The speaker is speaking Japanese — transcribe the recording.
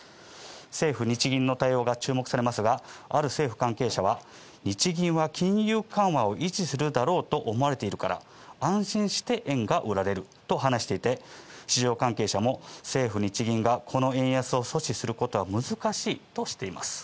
政府・日銀の対応が注目されますが、ある政府関係者は日銀は金融緩和を維持するだろうと思われているから安心して円が売られると話していて、市場関係者も政府・日銀がこの円安を阻止することは難しいとしています。